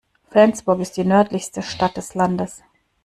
Flensburg ist die nördlichste Stadt des Landes.